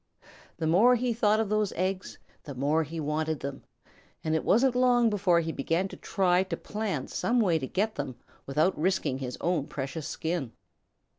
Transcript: The more he thought of those eggs, the more he wanted them, and it wasn't long before he began to try to plan some way to get them without risking his own precious skin.